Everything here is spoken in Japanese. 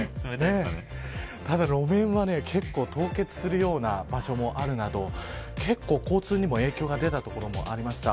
ただ、路面は結構凍結するような場所もあるなど、結構交通にも影響が出た所もありました。